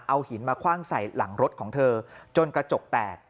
เอาหินมาคว่างใส่หลังรถของเธอจนกระจกแตก